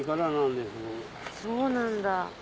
そうなんだ。